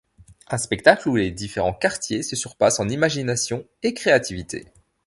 Un spectacle où les différents quartiers se surpassent en imagination et créativité.